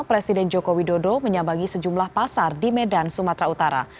presiden joko widodo menyambangi sejumlah pasar di medan sumatera utara